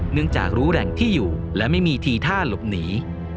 จากรู้แหล่งที่อยู่และไม่มีทีท่าหลบหนี